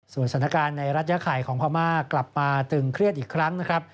สถานการณ์ในรัฐยาไข่ของพม่ากลับมาตึงเครียดอีกครั้งนะครับ